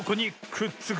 くっつく！